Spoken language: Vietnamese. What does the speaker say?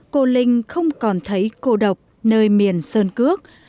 cô linh không còn thấy cô độc nơi miền sơn cước